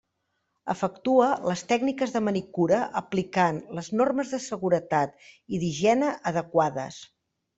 Efectua les tècniques de manicura aplicant les normes de seguretat i d'higiene adequades.